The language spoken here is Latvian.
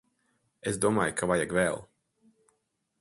Es domāju ka vajag vēl.